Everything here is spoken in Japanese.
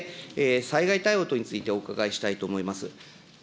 続いて、災害対応等についてお伺いしたいと思います。